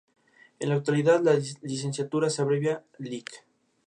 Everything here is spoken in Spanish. En la actualidad, la licenciatura se abrevia: Lic.